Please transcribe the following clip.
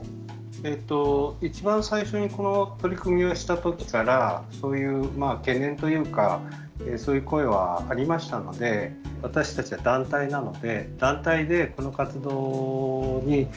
えっと一番最初にこの取り組みをした時からそういう懸念というかそういう声はありましたので私たちは団体なので団体でこの活動に対して保険に入ってます。